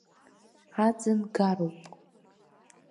Аӡын гароуп.